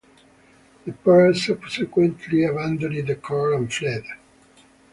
The pair subsequently abandoned the car and fled.